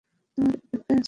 তোমারই অপেক্ষায় আছি।